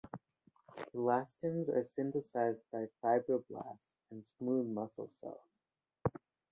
Elastins are synthesized by fibroblasts and smooth muscle cells.